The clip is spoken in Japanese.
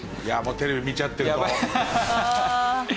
テレビ見ちゃってると。